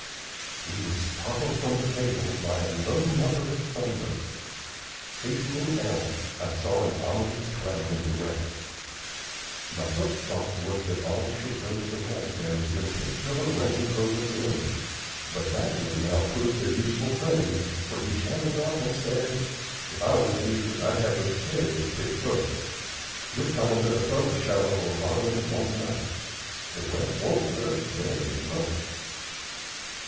We were startled from the table by a low mutter of thunder. Hastening out, I saw an ominous cloud in the west. My first thought was that all should go to the raspberries and pick till the rain drove us in; but Bagley now proved a useful friend, for he shambled up and said: "If I was you, I'd have those cherries picked fust. You'll find that a thunder shower'll rot 'em in one night. The wet won't hurt the berries much."